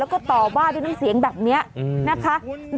และก็ต่อบ้าด้วยนั่งเสียงแบบเนี่ยโรงวัฒนาการอันหน้า